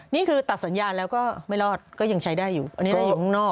นี่คือตัดสัญญาณแล้วก็ไม่รอดก็ยังใช้ได้อยู่อันนี้น่าจะอยู่ข้างนอก